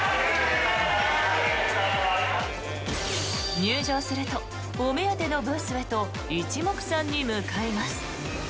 入場するとお目当てのブースへと一目散に向かいます。